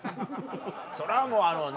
それはもうあのね